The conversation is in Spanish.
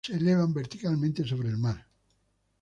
Se elevan verticalmente sobre el mar.